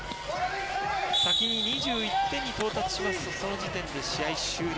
先に２１点に到達しますとその時点で試合終了。